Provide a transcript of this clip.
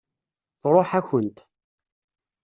Tṛuḥ-akent.